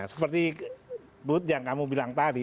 seperti bud yang kamu bilang tadi